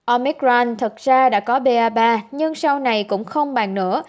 omicron thật ra đã có ba ba nhưng sau này cũng không bàn nữa